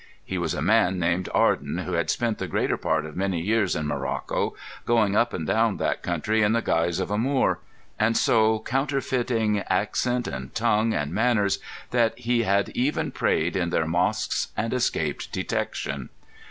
He was a man named Arden who had spent the greater part of many years in Morocco, going up and down that country in the guise of a Moor, and so counterfeiting accent, and tongue, and manners, that he had even prayed in their mosques and escaped detection.